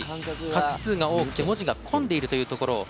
画数が多くて文字が混んでいるというところを彫っていきます。